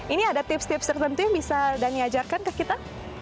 ini ada tips tips tertentu yang bisa dani ajarkan ke kita